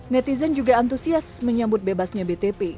netizen juga antusias menyambut bebasnya btp